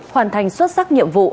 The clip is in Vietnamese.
hoàn thành xuất sắc nhiệm vụ